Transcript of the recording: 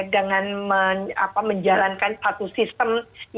dengan menjalankan satu sistem